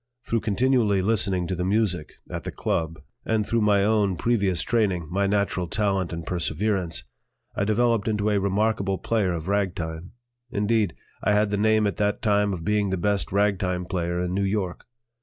Through continually listening to the music at the "Club," and through my own previous training, my natural talent and perseverance, I developed into a remarkable player of ragtime; indeed, I had the name at that time of being the best ragtime player in New York.